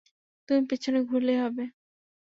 তুমি পেছনে ঘুরলেই হবে।